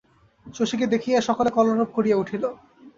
শশীকে দেখিয়া সকলে কলরব করিয়া উঠিল।